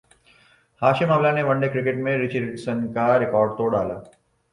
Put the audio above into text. ہاشم Amla نے one day cricket میں Richie Richardson کا ریکارڈ توڑ ڈالا